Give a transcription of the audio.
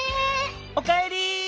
おかえり。